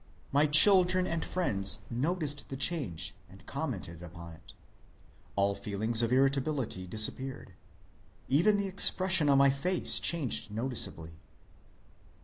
My children and friends noticed the change and commented upon it. All feelings of irritability disappeared. Even the expression of my face changed noticeably.